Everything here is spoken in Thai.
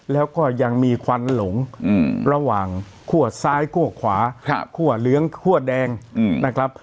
แล้วก็ยังมีควันหลงระหว่างคั่วซ้ายคั่วขวาคั่วเหลืองคั่วแดงนะครับ